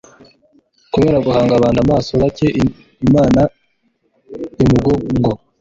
Kubera guhanga abantu amaso, batcye Imana umugongo;